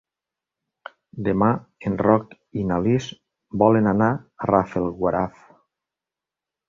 Demà en Roc i na Lis volen anar a Rafelguaraf.